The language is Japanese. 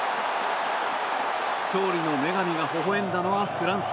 勝利の女神がほほ笑んだのはフランス。